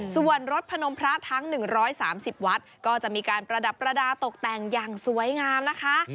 ส่วนรถพนมพระทั้ง๑๓๐วัดก็จะมีการประดับประดาษตกแต่งอย่างสวยงามนะคะ